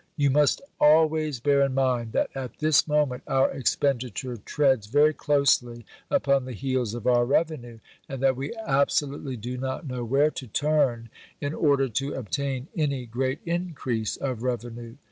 You must always bear in mind that at this moment our expenditure treads very closely upon the heels of our revenue, and that we absolutely do not know where to turn in order to obtain any great increase of revenue.